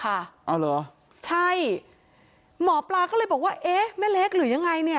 เอาเหรอใช่หมอปลาก็เลยบอกว่าเอ๊ะแม่เล็กหรือยังไงเนี่ย